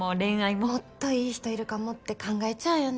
もっといい人いるかもって考えちゃうよね。